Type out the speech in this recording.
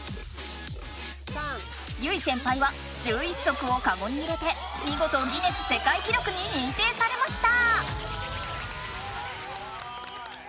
結実先輩は１１足をカゴに入れてみごとギネス世界記録に認定されました！